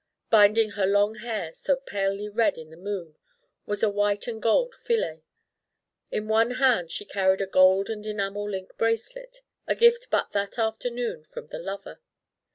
Binding her long hair, so palely red in the moon, was a white and gold fillet. In one hand she carried a gold and enamel link bracelet, a gift but that afternoon from the lover.